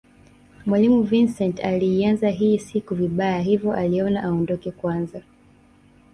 Mwalimu Vincent aliianza hii siku vibaya hivyo aliona aondoke kwanza